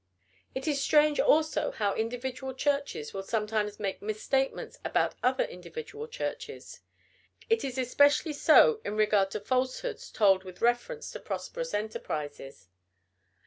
It is strange also how individual churches will sometimes make misstatements about other individual churches. It is especially so in regard to falsehoods told with reference to prosperous enterprises.